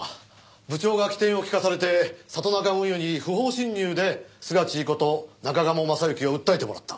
部長が機転を利かされて里中運輸に不法侵入でスガチーこと中鴨昌行を訴えてもらった。